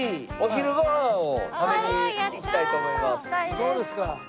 そうですか。